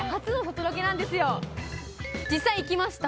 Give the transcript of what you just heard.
実際行きました。